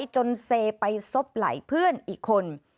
จนเซไปซบไหลเพื่อนอีกคน